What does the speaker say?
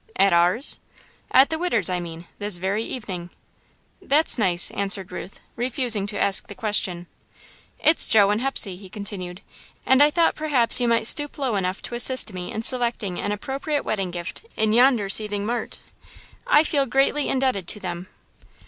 "At ours?" "At the 'Widder's,' I mean, this very evening." "That's nice," answered Ruth, refusing to ask the question. "It's Joe and Hepsey," he continued, "and I thought perhaps you might stoop low enough to assist me in selecting an appropriate wedding gift in yonder seething mart. I feel greatly indebted to them."